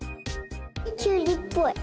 きゅうりっぽい。